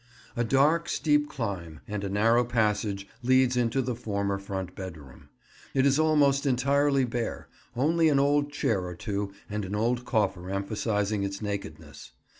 A dark steep climb, and a narrow passage leads into the former front bedroom. It is almost entirely bare, only an old chair or two and an old coffer emphasising its nakedness.